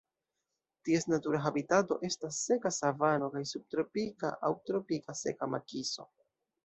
Ties natura habitato estas seka savano kaj subtropika aŭ tropika seka makiso.